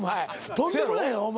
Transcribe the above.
とんでもないよお前。